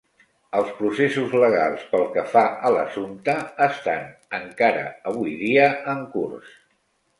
Els processos legals pel que fa a l'assumpte estan, encara avui dia, en curs.